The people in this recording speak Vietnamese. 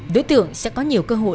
đối tượng sẽ có nhiều cơ hội